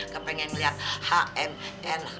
kepengen liat hmn